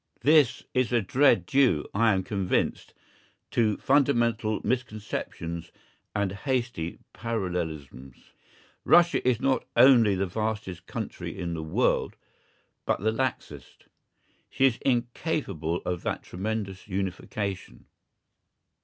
This is a dread due, I am convinced, to fundamental misconceptions and hasty parallelisms. Russia is not only the vastest country in the world, but the laxest; she is incapable of that tremendous unification.